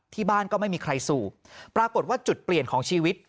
บ้านก็ไม่มีใครสูบปรากฏว่าจุดเปลี่ยนของชีวิต